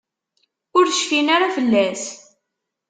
Ur cfin ara fell-as.